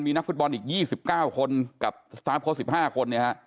มีนักฟุตบอลอีก๒๙คนกับสตาฟโคชน์๑๕คน